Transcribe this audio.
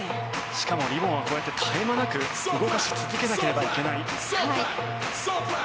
しかもリボンはこうやって絶え間なく動かし続けなければいけない。